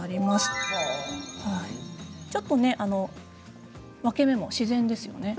ちょっと分け目も自然ですよね。